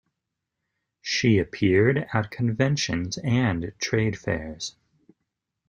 She appeared at conventions and trade fairs.